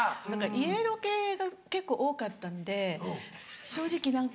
家ロケが結構多かったので正直何か。